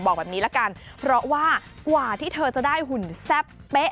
บอกแบบนี้ละกันเพราะว่ากว่าที่เธอจะได้หุ่นแซ่บเป๊ะ